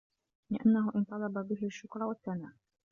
لِأَنَّهُ إنْ طَلَبَ بِهِ الشُّكْرَ وَالثَّنَاءَ